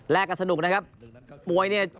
กันสนุกนะครับมวยเนี่ย